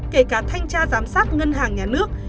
kể cả thanh tra giám sát ngân hàng nhà nước